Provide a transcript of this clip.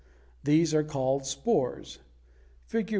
These are called spores. Fig.